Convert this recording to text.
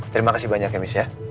terima kasih banyak ya mis ya